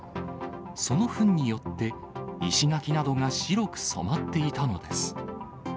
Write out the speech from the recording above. そのふんによって、石垣などが白く染まっていたのです。